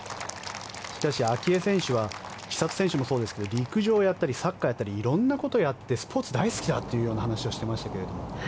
しかし、明愛選手は千怜選手もそうですけど陸上をやったりサッカーをやったり色んなことをやってスポーツ大好きだという話をしていましたけれど。